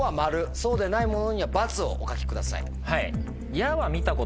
そうでないものには「×」をお書きください。